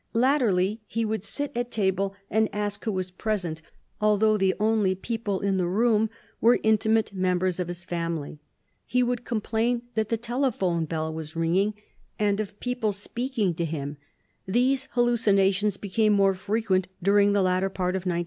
Latterly, he would sit at table and ask who was present, although the only people in the room were intimate members of his family. He would complain that the telephone bell was ringing, and of people speaking to him; these hallucinations became more frequent during the latter part of 1944.